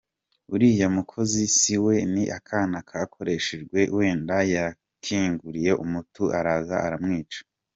Uriya mukozi si we, ni akana kakoreshejwe, wenda yakinguriye umuntu araza aramwica.